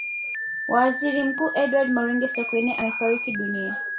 waziri mkuu edward moringe sokoine amefariki dunia